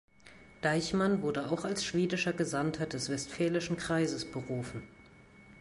Deichmann wurde auch als schwedischer Gesandter des Westfälischen Kreises berufen.